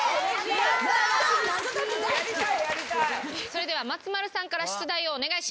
それでは松丸さんから出題をお願いします。